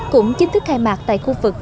cũng chính thức khai mạc tại khu vực